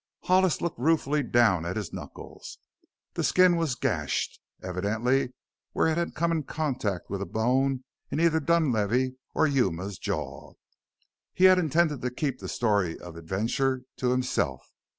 Hollis looked ruefully down at his knuckles. The skin was gashed evidently where it had come in contact with a bone in either Dunlavey's or Yuma's jaw. He had intended to keep the story of adventure to himself.